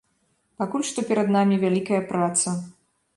Пакуль што перад намі вялікая праца.